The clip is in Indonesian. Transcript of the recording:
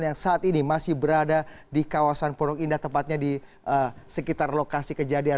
yang saat ini masih berada di kawasan porong indah tepatnya di sekitar lokasi kejadian